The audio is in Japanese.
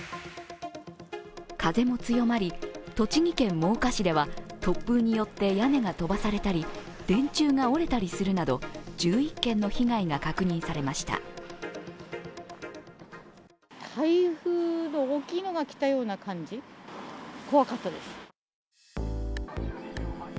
風も強まり、栃木県真岡市では突風によって屋根が飛ばされたり、電柱が折れたりするなど１１件の被害が確認されました。